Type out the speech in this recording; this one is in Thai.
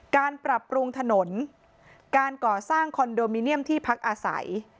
การปรับปรุงถนนการก่อสร้างคอนโดมิเนียมที่พักอาศัย